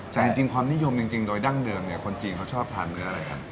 แต่จริงความนิยมโดยดั้งเดิมคนจีนเขาชอบทานเนื้ออะไรคะ